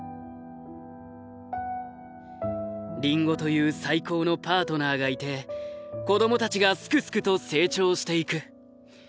リンゴという最高のパートナーがいて子どもたちがすくすくと成長していく。